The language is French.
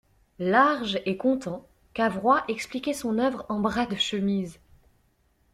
Large et content, Cavrois expliquait son œuvre en bras de chemise.